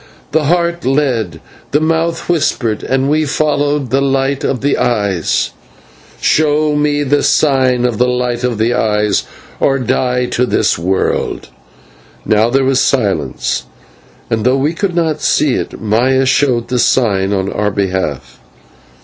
"The Heart led, the Mouth whispered, and we followed the light of the Eyes." "Show me the sign of the light of the Eyes, or die to this world." Now there was silence, and, though we could not see it, Maya showed the sign on our behalf.